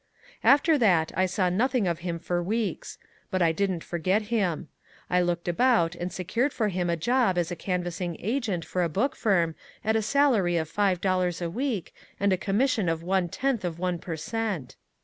After that I saw nothing of him for weeks. But I didn't forget him. I looked about and secured for him a job as a canvassing agent for a book firm at a salary of five dollars a week, and a commission of one tenth of one per cent.